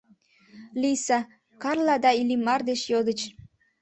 Лийса, Карла да Иллимар деч йодыч.